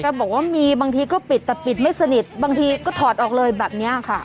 บอกว่ามีบางทีก็ปิดแต่ปิดไม่สนิทบางทีก็ถอดออกเลยแบบนี้ค่ะ